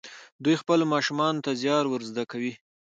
دوی خپلو ماشومانو ته زیار ور زده کوي.